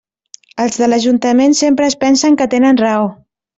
Els de l'ajuntament sempre es pensen que tenen raó.